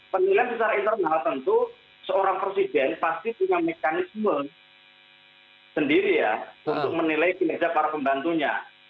penilaian secara internal tentu seorang presiden pasti punya mekanisme sendiri ya untuk menilai kinerja para pembantunya